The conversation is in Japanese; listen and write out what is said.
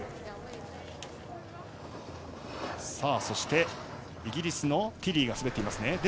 そして、イギリスのティリーが滑っていますね。